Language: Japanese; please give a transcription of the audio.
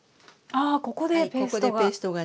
ああここでペーストが。